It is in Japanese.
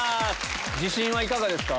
自信はいかがですか？